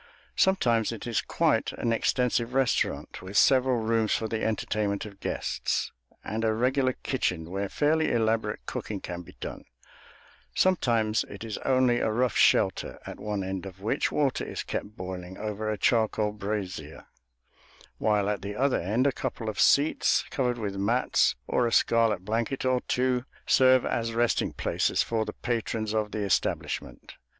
Sometimes it is quite an extensive restaurant, with several rooms for the entertainment of guests, and a regular kitchen where fairly elaborate cooking can be done; sometimes it is only a rough shelter, at one end of which water is kept boiling over a charcoal brazier, while at the other end a couple of seats, covered with mats or a scarlet blanket or two, serve as resting places for the patrons of the establishment.